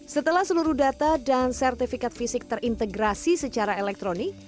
setelah seluruh data dan sertifikat fisik terintegrasi secara elektronik